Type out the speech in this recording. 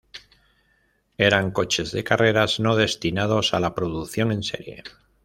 Eran coches de carreras, no destinados a la producción en serie.